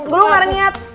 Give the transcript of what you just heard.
gue gak ada niat